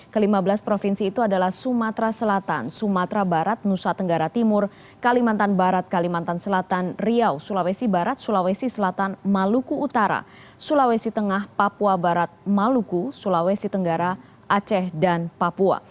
ke lima belas provinsi itu adalah sumatera selatan sumatera barat nusa tenggara timur kalimantan barat kalimantan selatan riau sulawesi barat sulawesi selatan maluku utara sulawesi tengah papua barat maluku sulawesi tenggara aceh dan papua